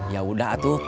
ya udah tuh